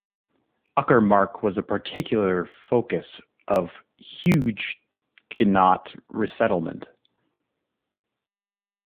Uckermark was a particular focus of Huguenot resettlement.